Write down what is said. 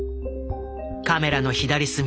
カメラの左隅。